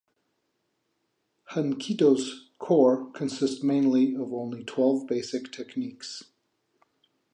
Hankido's core consists of only twelve basic techniques.